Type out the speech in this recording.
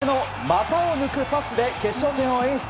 相手の股を抜くパスで決勝点を演出。